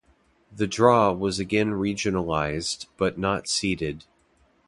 The draw was again regionalised but not seeded.